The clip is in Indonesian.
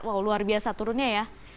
wow luar biasa turunnya ya